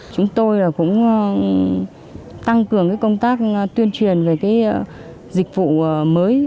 chúng tôi là cũng tăng cường cái công tác tuyên truyền về cái dịch vụ mới